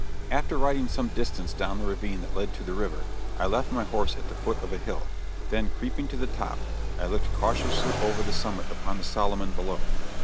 After riding some distance down the ravine that led to the river, I left my horse at the foot of a hill; then, creeping to the top, I looked cautiously over the summit upon the Solomon, below.